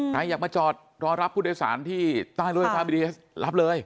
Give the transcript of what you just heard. ใครอยากมาจอดรอรับผู้โดยสารที่ใต้ด้วยรับเลย